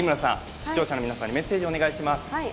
視聴者の皆さんにメッセージをお願いします。